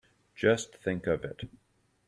Just think of it!